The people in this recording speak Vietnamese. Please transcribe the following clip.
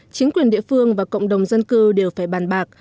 chính quyền địa phương và cộng đồng dân cư đều phải bàn bạc